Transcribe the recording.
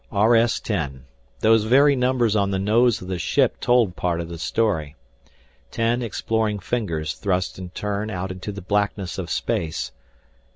RS 10 those very numbers on the nose of the ship told part of the story. Ten exploring fingers thrust in turn out into the blackness of space.